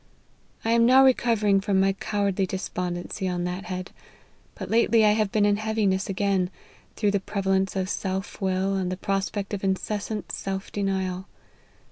I am now recovering from my cowardly despondency on that head ; but lately I have been in heaviness again, through the preva lence of self will, and the prospect of incessant self denial.